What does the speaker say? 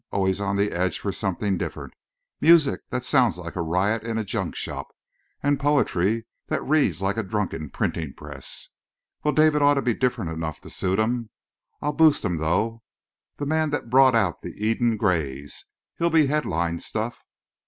Always on edge for something different music that sounds like a riot in a junk shop and poetry that reads like a drunken printing press. Well, David ought to be different enough to suit 'em. I'll boost him, though: 'The Man that Brought Out the Eden Grays!' He'll be headline stuff!"